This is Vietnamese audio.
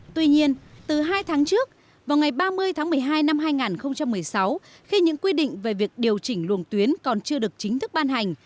tuy nhiên từ hai tháng trước vào ngày ba mươi tháng một mươi hai năm hai nghìn một mươi sáu khi những quy định về việc điều chỉnh luồng tuyến còn chưa được chính thức ban hành